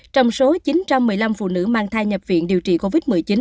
trong số chín trăm một mươi năm phụ nữ mang thai nhập viện điều trị covid một mươi chín